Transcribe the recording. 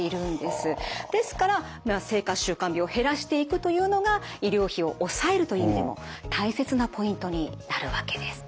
ですから生活習慣病減らしていくというのが医療費を抑えるという意味でも大切なポイントになるわけです。